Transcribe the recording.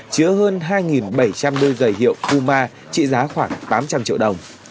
chứa hơn hai bảy trăm linh đôi giày hiệu huma trị giá khoảng tám trăm linh triệu đồng